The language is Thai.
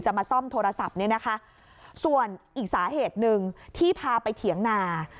มาซ่อมโทรศัพท์เนี่ยนะคะส่วนอีกสาเหตุหนึ่งที่พาไปเถียงนา